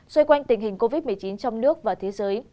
xoay quanh tình hình covid một mươi chín trong nước và thế giới